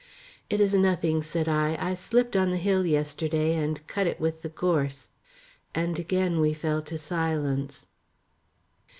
"It is nothing," said I, "I slipped on the hill yesterday night and cut it with the gorse;" and again we fell to silence.